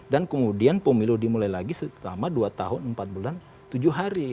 dan kemudian pemilu dimulai lagi selama dua tahun empat bulan tujuh hari